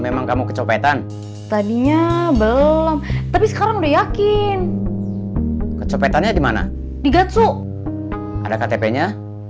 memang kamu kecopetan tadinya belum tapi sekarang udah yakin kecopetannya di mana digacu ada ktpnya